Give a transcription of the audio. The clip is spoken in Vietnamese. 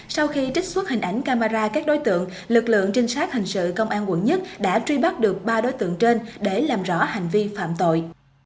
sau khi trích xuất hình ảnh camera các đối tượng lực lượng trinh sát hình sự công an quận một đã truy bắt được ba đối tượng trên để làm rõ hành vi phạm tội